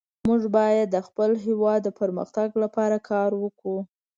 موږ باید د خپل هیواد د پرمختګ لپاره کار وکړو